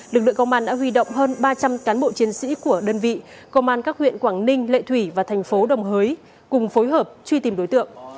lực lượng công an đã huy động hơn ba trăm linh cán bộ chiến sĩ của đơn vị công an các huyện quảng ninh lệ thủy và thành phố đồng hới cùng phối hợp truy tìm đối tượng